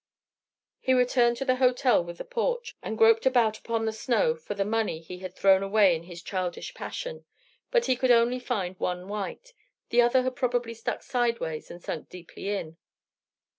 He returned to the hotel with the porch, and groped about upon the snow for the money he had thrown away in his childish passion. But he could only find one white; the other had probably struck sideways and sunk deeply in.